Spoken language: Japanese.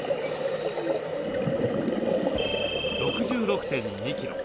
６６．２キロ。